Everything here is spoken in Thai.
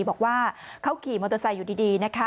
บอกว่าเขาขี่มอเตอร์ไซค์อยู่ดีนะคะ